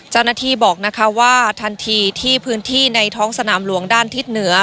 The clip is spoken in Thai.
เจ้าหน้าที่บอกนะคะว่าทันทีที่พื้นที่ในท้องสนามหลวงด้านทิศเหนือ